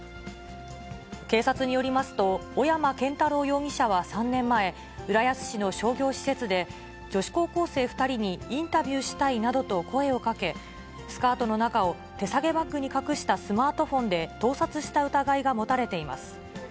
警察によりますと、小山健太郎容疑者は３年前、浦安市の商業施設で、女子高校生２人にインタビューしたいなどと声をかけ、スカートの中を手提げバッグに隠したスマートフォンで盗撮した疑いが持たれています。